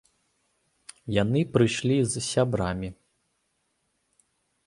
Яны прыйшлі з сябрамі.